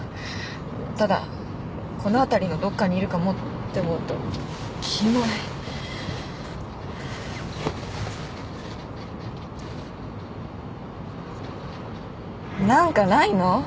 ただこの辺りのどっかにいるかもって思うとキモいなんかないの？